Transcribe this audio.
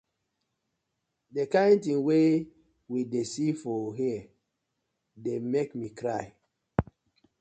Di kin tin wey we dey see for here dey mek mi cry.